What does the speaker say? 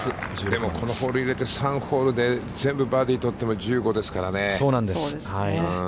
でも、このホール入れて３ホールで全部バーディーを取っても、１５ですからね。